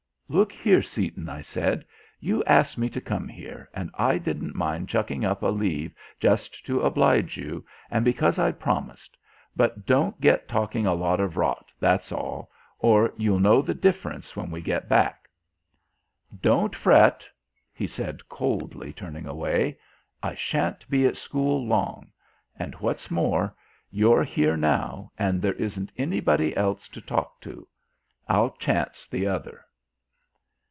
"Look here, Seaton," I said, "you asked me to come here, and I didn't mind chucking up a leave just to oblige you and because I'd promised; but don't get talking a lot of rot, that's all, or you'll know the difference when we get back." "Don't fret," he said coldly, turning away. "I shan't be at school long. And what's more, you're here now, and there isn't anybody else to talk to. I'll chance the other."